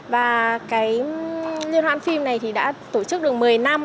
và liên hoan phim này đã tổ chức được một mươi năm